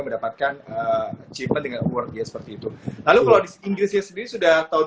mendapatkan cipet dengan award ya seperti itu lalu kalau di inggrisnya sendiri sudah tahun